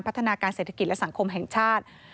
พัฒนาการเศรษฐกิจและสังคมแห่งชาติ